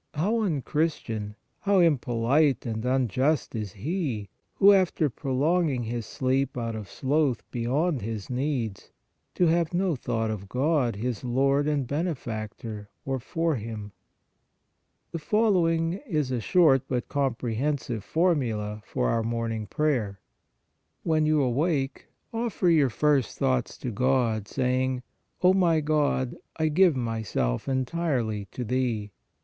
How unchristian, how impolite and unjust is he, who after prolonging his sleep out of sloth beyond his needs, to have no thought of God, his Lord and Benefactor, or for Him ! The following 128 PRAYER is a short but comprehensive formula for our MORNING PRAYER. (When you awake, offer your first thoughts to God, saying : O my God I give my self entirely to Thee.